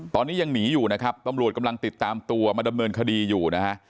ตอนนี้ยังหนีอยู่นะครับตำรวจกำลังติดตามตัวมาดำเนินคดีอยู่นะฮะ